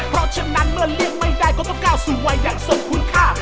เพราะฉะนั้นเมื่อเลี่ยงไม่ได้ก็ต้องก้าวสู่วัยอย่างทรงคุณค่า